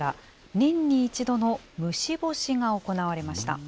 年に一度の虫干しが行われました。